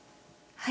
はい。